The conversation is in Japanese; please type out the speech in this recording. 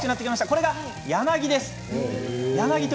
これが柳です。